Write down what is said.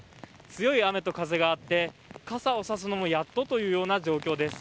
強い雨と風があって傘をさすのもやっとというような状況です。